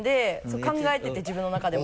考えてて自分の中でも。